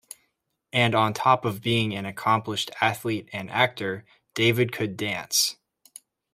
And on top of being an accomplished athlete and actor, David could dance.